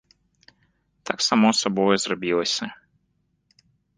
Так само сабою зрабілася.